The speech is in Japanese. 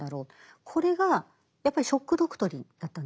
これがやっぱり「ショック・ドクトリン」だったんですね。